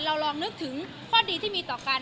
เราลองนึกถึงข้อดีที่มีต่อกัน